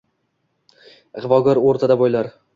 Ig‘vogar o‘rtada boylar